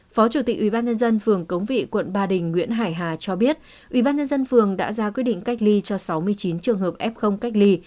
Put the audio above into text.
phó chủ tịch ubnd phường cống vị quận ba đình nguyễn hải hà cho biết ubnd phường đã ra quyết định cách ly cho sáu mươi chín trường hợp f cách ly